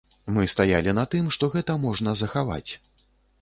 Мы стаялі на тым, што гэта можна захаваць.